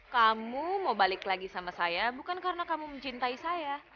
kamu mau balik lagi sama saya bukan karena kamu mencintai saya